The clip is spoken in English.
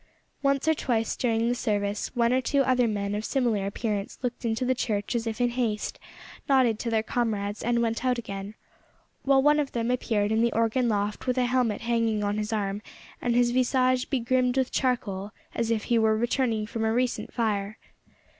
Once or twice during the service one or two other men of similar appearance looked into the church as if in haste, nodded to their comrades, and went out again, while one of them appeared in the organ loft with a helmet hanging on his arm and his visage begrimed with charcoal, as if he were returning from a recent fire.